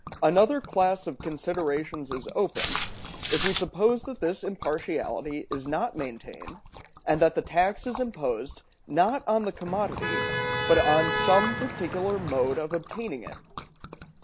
Another class of considerations is opened, if we suppose that this impartiality is not maintained, and that the tax is imposed, not on the commodity, but on some particular mode of obtaining it.